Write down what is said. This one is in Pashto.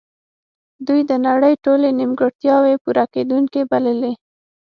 دوی د نړۍ ټولې نیمګړتیاوې پوره کیدونکې بللې